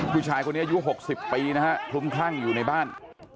ผู้ชายคนนี้อายุ๖๐ปีนะฮะคลุมคลั่งอยู่ในบ้าน